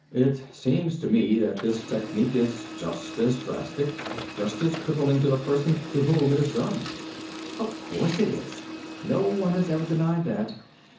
It seems to me that this technique is just as drastic, just as crippling to the person to whom it is done." "Of course it is! No one has ever denied that.